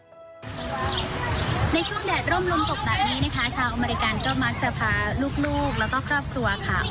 ในช่วงแดดร่มลมตกแบบนี้นะคะชาวอเมริกันก็มักจะพาลูกแล้วก็ครอบครัวค่ะ